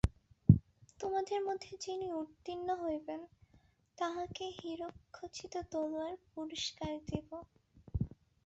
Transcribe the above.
তোমাদের মধ্যে যিনি উত্তীর্ণ হইবেন, তাঁহাকে হীরকখচিত তলোয়ার পুরস্কার দিব।